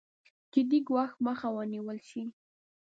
جدي ګواښ مخه ونېول شي.